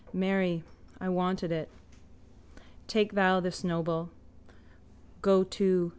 Marry, I wanted it. Take thou this noble. Go to!